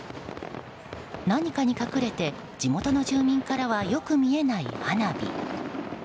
何かに隠れて、地元の住民からはよく見えない花火。